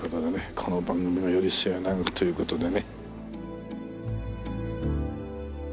この番組をより末永くという事でね。